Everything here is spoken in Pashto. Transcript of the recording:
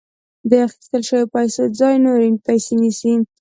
د اخیستل شویو پیسو ځای نورې پیسې نیسي